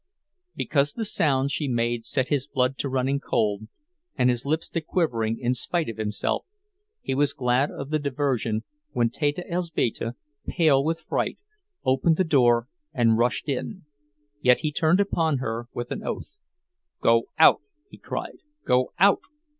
Because the sounds she made set his blood to running cold and his lips to quivering in spite of himself, he was glad of the diversion when Teta Elzbieta, pale with fright, opened the door and rushed in; yet he turned upon her with an oath. "Go out!" he cried, "go out!"